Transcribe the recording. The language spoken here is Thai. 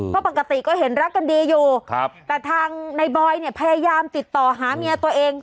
เพราะปกติก็เห็นรักกันดีอยู่แต่ทางในบอยเนี่ยพยายามติดต่อหาเมียตัวเอง